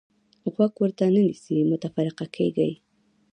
غوږ ورته نه نیسئ او متفرق کېږئ.